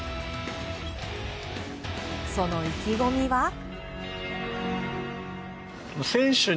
その意気込みは。